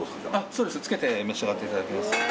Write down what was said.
そうですつけて召し上がっていただきます